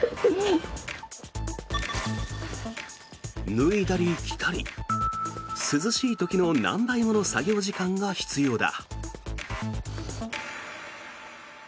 脱いだり、着たり涼しい時の何倍もの作業時間が必要だ。